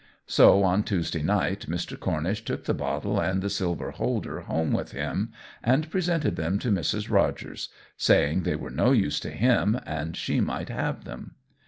So on Tuesday night Mr. Cornish took the bottle and the silver holder home with him, and presented them to Mrs. Rogers, saying they were no use to him and she might have them.